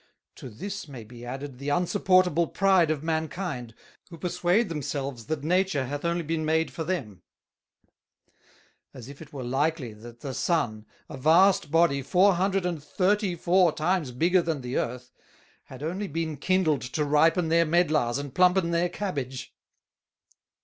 To this may be added the unsupportable Pride of Mankind, who perswade themselves that Nature hath only been made for them; as if it were likely that the Sun, a vast Body Four hundred and thirty four times bigger than the Earth, had only been kindled to ripen their Medlars and plumpen their Cabbage.